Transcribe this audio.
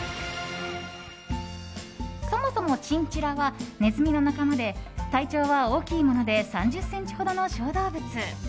そもそもチンチラはネズミの仲間で体長は大きいもので３０ｃｍほどの小動物。